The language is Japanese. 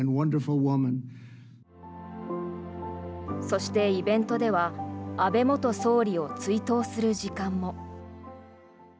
そして、イベントでは安倍元総理を追悼する時間も。